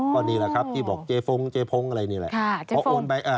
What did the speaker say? ก็นี่แหละครับที่บอกเจฟงเจพงอะไรนี่แหละพอโอนไป